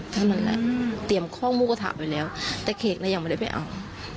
เตรียมข้อมู้กระทะไปแล้วแต่เค้กหน่ายังมาได้ไปเอา